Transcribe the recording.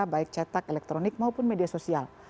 baik cetak elektronik maupun media sosial